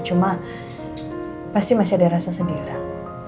cuma pasti masih ada rasa sedih lah